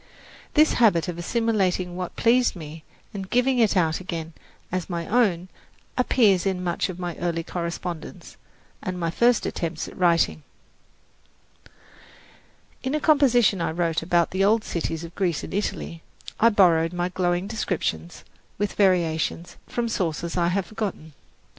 This habit of assimilating what pleased me and giving it out again as my own appears in much of my early correspondence and my first attempts at writing. In a composition which I wrote about the old cities of Greece and Italy, I borrowed my glowing descriptions, with variations, from sources I have forgotten.